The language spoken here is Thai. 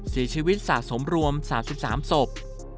เสียชีวิตสะสมรวม๓๓ศพ